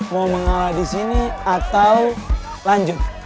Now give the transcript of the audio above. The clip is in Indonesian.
mau mengalah di sini atau lanjut